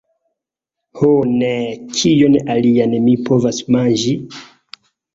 Ho, neeeee... kion alian mi povas manĝi?